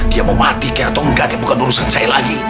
dia mau mati kayak atau enggak dia bukan urusan saya lagi